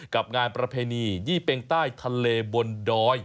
กับงานประเพณียี่เป็งใต้ทะเลบนดอย